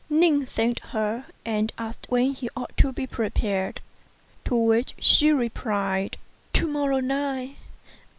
Ning thanked her, and asked when he ought to be prepared; to which she replied, "To morrow night."